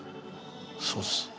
そうです。